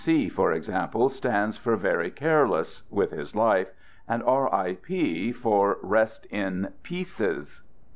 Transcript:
C, for ex ample, stands for "very careless" (with his life), and R. I. P. for " rest in pieces."